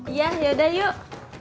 iya yaudah yuk